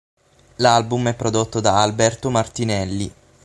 L'album è prodotto da Alberto Martinelli.